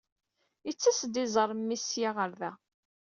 Ittas-d ad iẓer mmi sya ɣer da.